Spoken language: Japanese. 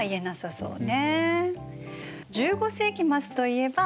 そうね。